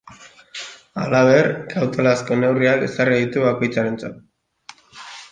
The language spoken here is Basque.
Halaber, kautelazko neurriak ezarri ditu bakoitzarentzat.